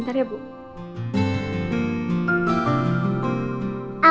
disini ada saplnik gini ya